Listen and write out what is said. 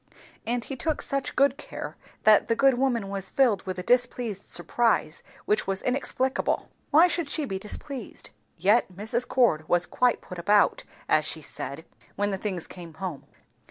And he took such good care, that the good woman was filled with a displeased surprise which was inexplicable. Why should she be displeased? Yet Mrs. Cord was quite "put about," as she said, when the things came home.